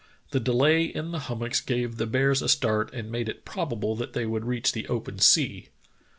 The delay in the hummocks gave the bears a start and made it probable that they would reach the open sea.